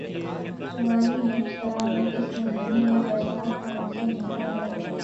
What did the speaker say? شمالی نصف کرہ میں اس مہینے میں برسات کا موسم ہوتا ہے